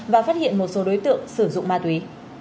và phát hiện một số đối tượng sử dụng ma túy